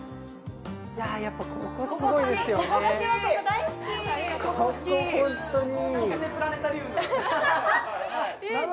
やっぱここすごいですよねえっ